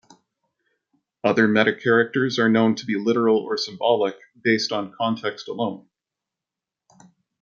Other metacharacters are known to be literal or symbolic based on context alone.